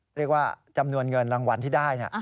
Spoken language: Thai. เรียกว่าจำนวนเงินรางวัลที่ได้